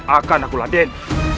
akan akulah den